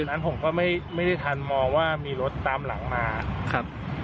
นั้นผมก็ไม่ได้ทันมองว่ามีรถตามหลังมาครับ